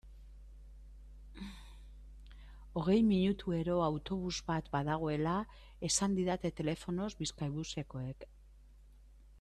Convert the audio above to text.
Hogei minutuero autobus bat badagoela esan didaten telefonoz Bizkaibusekoek.